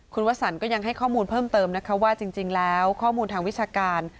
คุณวสันก็ยังให้ข้อมูลเพิ่มเติมนะคะว่าจริงแล้วข้อมูลทางวิชาการ